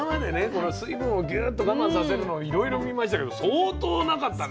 この水分をギュッと我慢させるのいろいろ見ましたけど相当なかったね。